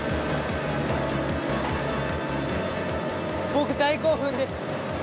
僕大興奮です！